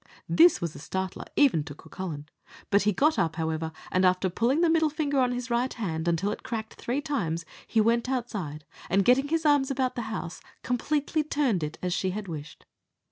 This was a startler even to Cucullin; but he got up, however, and after pulling the middle finger of his right hand until it cracked three times, he went outside, and getting his arms about the house, completely turned it as she had wished.